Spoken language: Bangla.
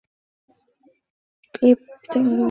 নড়ে ওঠা হাতুড়িটা তখন আঘাত করবে বিষপাত্রের গায়ে।